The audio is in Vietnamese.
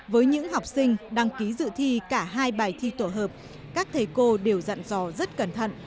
với những học sinh đăng ký dự thi cả hai bài thi tổ hợp các thầy cô đều dặn dò rất cẩn thận